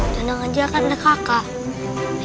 jangan jangan aja akan ada kakak